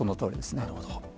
なるほど。